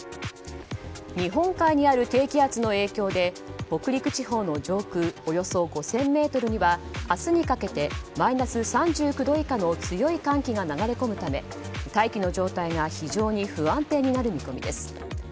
日本海にある低気圧の影響で北陸地方の上空およそ５０００ｍには明日にかけてマイナス３９度以下の強い寒気が流れ込むため、大気の状態が非常に不安定になる見込みです。